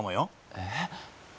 えっ？